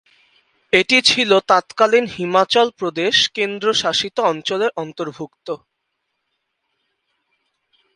এটি ছিল তৎকালীন হিমাচল প্রদেশ কেন্দ্রশাসিত অঞ্চলের অন্তর্ভুক্ত।